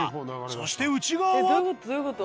そして内側は？